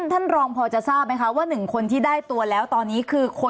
ท่านรองพอจะทราบไหมคะว่า๑คนที่ได้ตัวแล้วตอนนี้คือคน